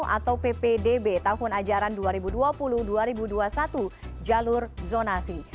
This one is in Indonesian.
atau ppdb tahun ajaran dua ribu dua puluh dua ribu dua puluh satu jalur zonasi